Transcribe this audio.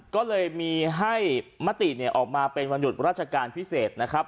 ก็เลยมีให้มติออกมาเป็นวันหยุดราชการพิเศษนะครับ